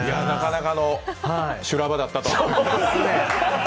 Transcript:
なかなかの修羅場だったと。